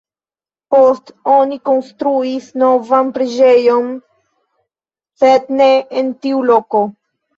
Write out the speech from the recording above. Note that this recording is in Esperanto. Poste oni konstruis novan preĝejon, sed ne en tiu loko.